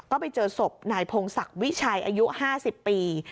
ก็ไปเจอศพนายพงศักดิ์วิชัยอายุ๕๐ปี